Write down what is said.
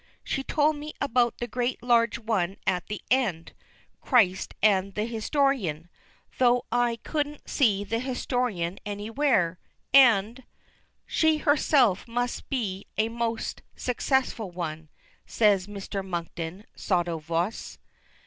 She told me about the great large one at the end, 'Christ and the Historian,' though I couldn't see the Historian anywhere, and " "She herself must be a most successful one," says Mr. Monkton, sotto voce.